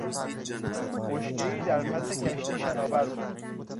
بشکهای در پس کشتی شناور بود.